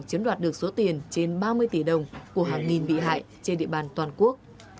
chiếm đoạt được số tiền trên ba mươi tỷ đồng của hàng nghìn bị hại trên địa bàn toàn quốc